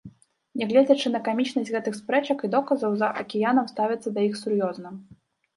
Нягледзячы на камічнасць гэтых спрэчак і доказаў, за акіянам ставяцца да іх сур'ёзна.